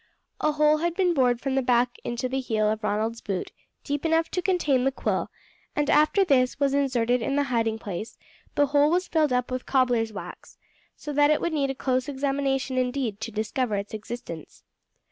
A hole had been bored from the back into the heel of Ronald's boot deep enough to contain the quill, and after this was inserted in the hiding place the hole was filled up with cobbler's wax, so that it would need a close examination indeed to discover its existence.